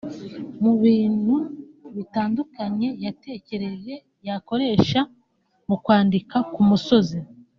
Mu bintu bitandukanye yatekereje yakoresha mu kwandika ku musozi